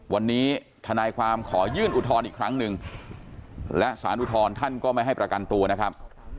วันนี้ทนายความขอยื่นอุทธรณ์อีกครั้งหนึ่งและสารอุทธรณ์ท่านก็ไม่ให้ประกันตัวนะครับ